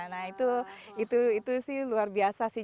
nah itu sih luar biasa sih